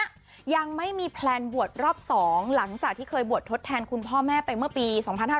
ยังไม่มีแพลนบวชรอบ๒หลังจากที่เคยบวชทดแทนคุณพ่อแม่ไปเมื่อปี๒๕๕๙